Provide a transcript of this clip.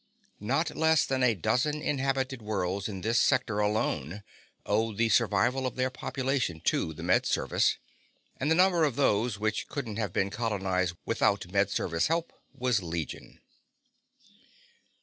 Not less than a dozen inhabited worlds in this sector alone owed the survival of their populations to the Med Service, and the number of those which couldn't have been colonized without Med Service help was legion.